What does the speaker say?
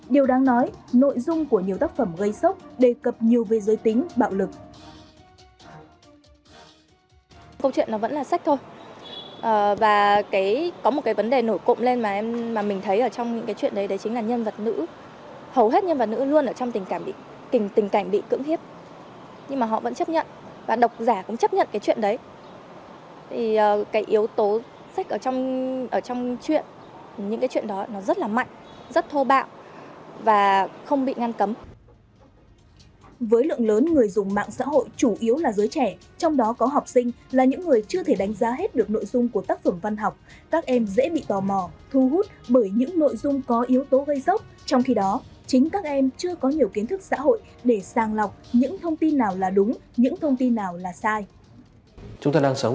điều đang nói trước khi đưa ra thông báo chủ đầu tư không thực hiện họp thông báo tới cư dân